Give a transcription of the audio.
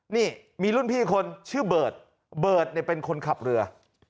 นี่มีรุ่นพี่คนชื่อเบิร์ตเบิร์ตเป็นคนขับเรือ